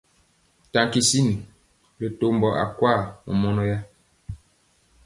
Taa kisin ri tɔmbɔ akwa mɔmɔnɔya.